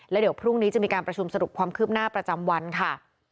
แล้วเดี๋ยวพรุ่งนี้จะมีการประชุมสรุปความคืบหน้าประจำวันค่ะ